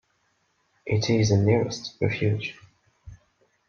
It is the nearest refuge.